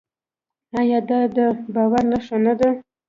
آیا دا د باور نښه نه ده؟